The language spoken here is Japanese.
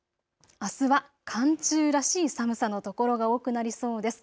あすは寒中らしい寒さの所が多くなりそうです。